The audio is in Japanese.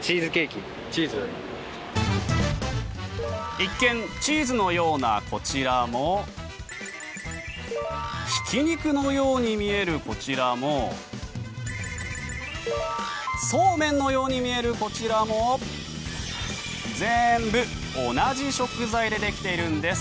一見チーズのようなこちらもひき肉のように見えるこちらもそうめんのように見えるこちらも全部同じ食材でできているんです。